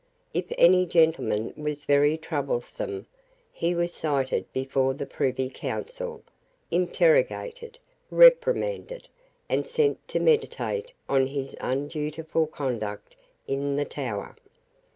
If any gentleman was very troublesome he was cited before the Privy Council, interrogated, reprimanded, and sent to meditate on his undutiful conduct in the Tower.